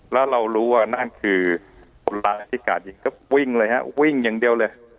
แล้วเรารู้ว่านั่นคือคนร้ายที่กาดยิงก็วิ่งเลยฮะวิ่งอย่างเดียวเลย